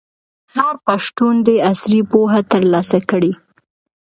هر پښتون دي عصري پوهه ترلاسه کړي.